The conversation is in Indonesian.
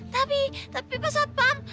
tapi tapi pasat pam